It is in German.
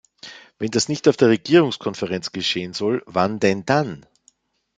Wenn das nicht auf der Regierungskonferenz geschehen soll, wann denn dann?